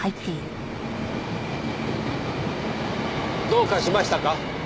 どうかしましたか？